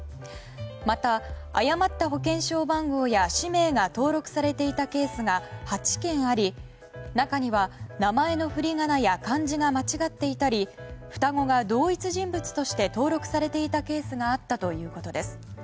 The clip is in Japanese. また、誤った保険証番号や氏名が登録されていたケースが８件あり中には名前の振り仮名や漢字が間違っていたり双子が同一人物として登録されていたケースがあったということです。